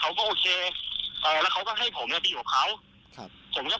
เขาก็โอเคแล้วเขาก็ให้ผมไปอยู่กับเขา